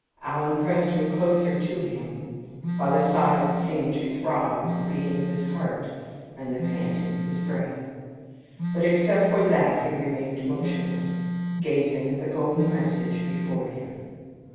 Alan pressed me closer to him, while the silence seemed to throb with the beating of his heart and the panting of his breath. But except for that he remained motionless, gazing at the golden message before him.